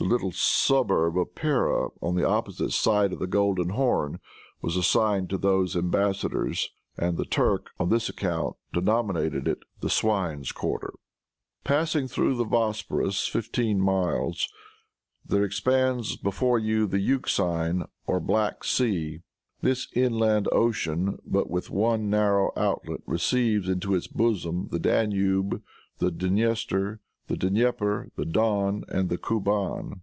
The little suburb of Pera, on the opposite side of the Golden Horn, was assigned to these embassadors, and the Turk, on this account, denominated it The swine's quarter. Passing through the Bosporus fifteen miles, there expands before you the Euxine, or Black Sea. This inland ocean, with but one narrow outlet, receives into its bosom the Danube, the Dniester, the Dnieper, the Don and the Cuban.